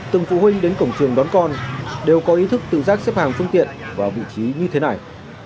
từng phụ huynh đến cổng trường đón con đều có ý thức tự giác xếp hàng phương tiện vào vị trí như thế này